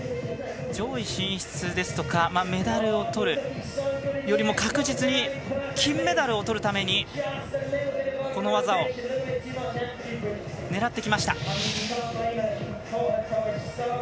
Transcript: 上位進出ですとかメダルをとるよりも確実に金メダルをとるためにこの技を狙ってきました。